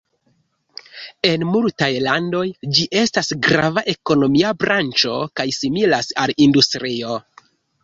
En multaj landoj ĝi estas grava ekonomia branĉo kaj similas al industrio.